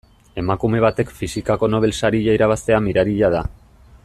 Emakume batek fisikako Nobel saria irabaztea miraria da.